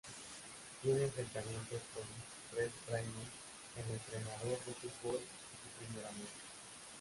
Tiene enfrentamientos con Red Raymond, el entrenador de fútbol y su primer amor.